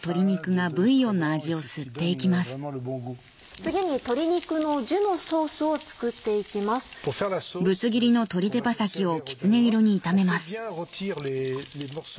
次に鶏肉のジュのソースを作って行きます。